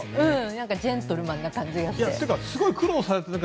ジェントルマンな感じがして。